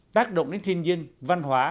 tác động đến thiên nhiên văn hóa